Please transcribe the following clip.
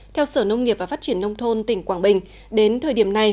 theo sở nông nghiệp và phát triển nông thôn tỉnh quảng bình đến thời điểm này